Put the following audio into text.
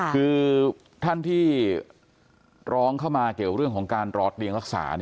คือท่านที่ร้องเข้ามาเกี่ยวเรื่องของการรอเตียงรักษา